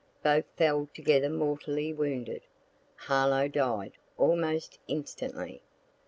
Both fell together mortally wounded. Harlowe died almost instantly.